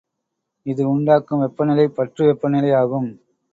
இது உண்டாக்கும் வெப்பநிலை பற்று வெப்பநிலையாகும்.